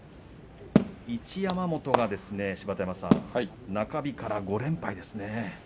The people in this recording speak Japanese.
一山本は中日から５連敗ですね。